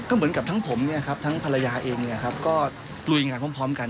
เหมือนกับทั้งผมเนี่ยครับทั้งภรรยาเองเนี่ยครับก็ลุยงานพร้อมกัน